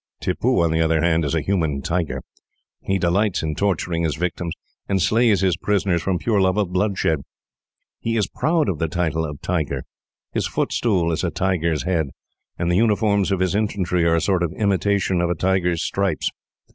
"Tippoo, on the other hand, is a human tiger. He delights in torturing his victims, and slays his prisoners from pure love of bloodshed. He is proud of the title of 'Tiger.' His footstool is a tiger's head, and the uniforms of his infantry are a sort of imitation of a tiger's stripes.